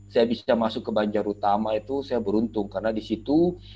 saya bisa masuk ke banjar utama itu saya beruntung karena di situ